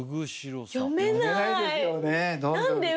読めないですよね。